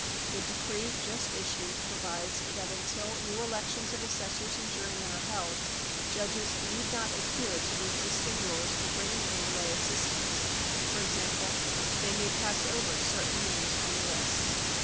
The decree just issued provides that, until new elections of assessors and jurymen are held, judges need not adhere to the existing rules for bringing in lay assistants ; for example, they may pass oyer certain names on the lists."